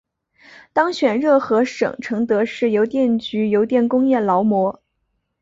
当选热河省承德市邮电局邮电工业劳模。